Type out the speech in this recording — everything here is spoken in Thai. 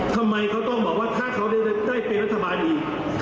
ทำไมเขาต้องบอกว่าถ้าเขาได้เป็นรัฐบาลอีก